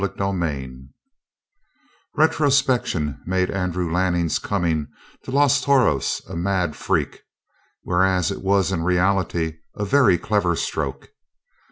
CHAPTER 30 Retrospection made Andrew Lanning's coming to Los Toros a mad freak, whereas it was in reality a very clever stroke.